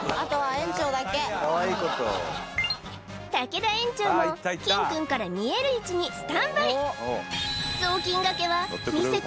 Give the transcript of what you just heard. かわいいこと竹田園長もキンくんから見える位置にスタンバイ！